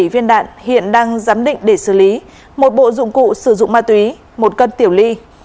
bảy viên đạn hiện đang giám định để xử lý một bộ dụng cụ sử dụng ma túy một cân tiểu ly